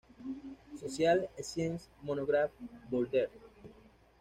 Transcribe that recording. Social Science Monographs, Boulder.